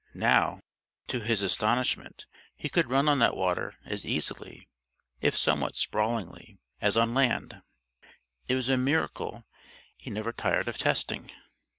Now, to his astonishment, he could run on that water as easily if somewhat sprawlingly as on land. It was a miracle he never tired of testing.